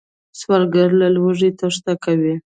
سوالګر له لوږې تېښته کوي